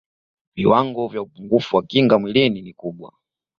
viwango vya upungufu wa kinga mwilini ni kubwa